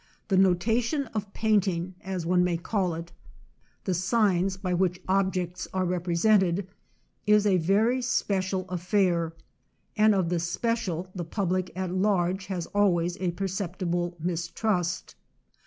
The notation of painting, as one may call it â the signs by which ob jects are represented â is a very special af fair, and of the special the public at large has always a perceptible mistrust.